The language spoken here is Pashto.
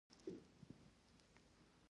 ایا زه د ګریپ فروټ اوبه وڅښم؟